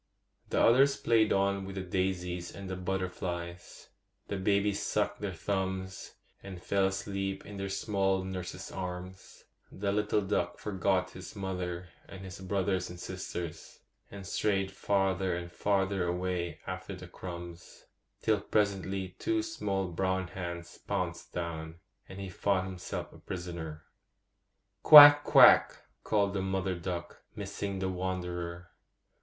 The others played on with the daisies and the butterflies; the babies sucked their thumbs and fell asleep in their small nurses' arms; the little duck forgot his mother and his brothers and sisters, and strayed farther and farther away after the crumbs, till presently two small brown hands pounced down, and he found himself a prisoner. 'Quack! quack!' called the mother duck, missing the wanderer.